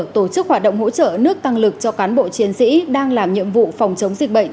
tổ chức hoạt động hỗ trợ nước tăng lực cho cán bộ chiến sĩ đang làm nhiệm vụ phòng chống dịch bệnh